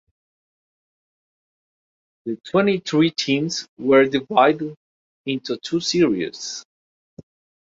The twenty three teams were divided into two series.